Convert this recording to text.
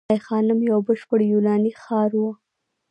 ای خانم یو بشپړ یوناني ښار و